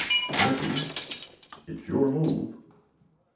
Smithy, it's your move."